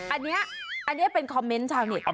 อันนี้เป็นคอมเม้นต์ใช่ไหม